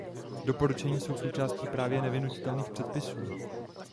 Doporučení jsou součástí právně nevynutitelných předpisů.